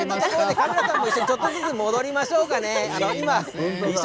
カメラさんと一緒にちょっとずつ戻りましょうかね